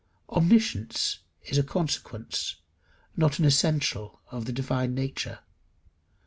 Omniscience is a consequence, not an essential of the divine nature.